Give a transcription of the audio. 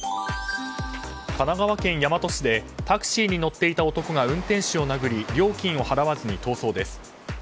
神奈川県大和市でタクシーに乗っていた男が運転手の男を殴り料金を払わず逃走です。